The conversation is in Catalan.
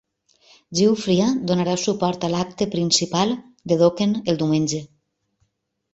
Giuffria donarà suport a l'acte principal de Dokken el diumenge.